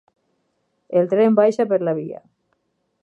El tren baixa per la via.